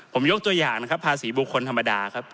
ผมยกตัวอย่างนะครับภาษีบุคคลธรรมดาครับ